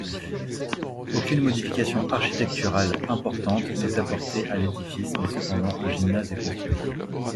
Aucune modification architecturale importante n'est apportée à l'édifice mais cependant un gymnase est construit.